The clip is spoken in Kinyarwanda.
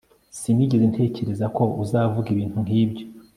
Sinigeze ntekereza ko uzavuga ibintu nkibyo